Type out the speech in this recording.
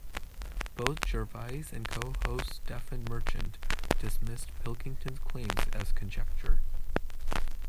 Both Gervais and co-host Stephen Merchant dismissed Pilkington's claims as conjecture.